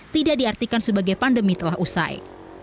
tidak diartikan sebagai pandemi telah usai